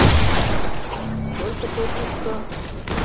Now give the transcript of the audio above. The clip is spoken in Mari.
— Только тый тушто...